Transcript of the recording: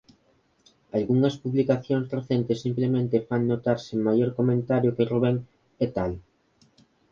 Algunhas publicacións recentes simplemente fan notar sen maior comentario que Ruben "et al.